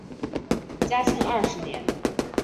嘉庆二十年。